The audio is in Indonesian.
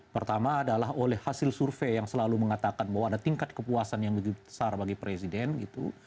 pertama adalah oleh hasil survei yang selalu mengatakan bahwa ada tingkat kepuasan yang besar bagi presiden gitu